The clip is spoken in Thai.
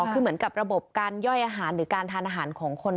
คือเหมือนกับระบบการย่อยอาหารหรือการทานอาหารของคน